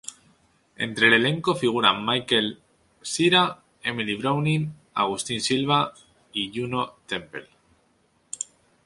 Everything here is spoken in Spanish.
Entre el elenco figuran Michael Cera, Emily Browning, Agustin Silva y Juno Temple.